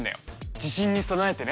地震に備えてね。